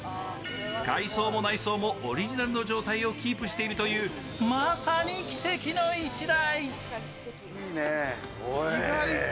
外装も内装もオリジナルの状態をキープしているというまさに奇跡の１台。